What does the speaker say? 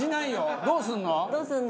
どうすんの？